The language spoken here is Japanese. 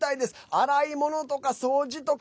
洗い物とか掃除とか。